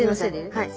はい。